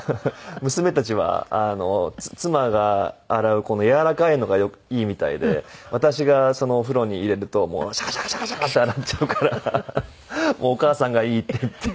娘たちは妻が洗うやわらかいのがいいみたいで私がお風呂に入れるとシャカシャカシャカシャカって洗っちゃうからお母さんがいいって言って。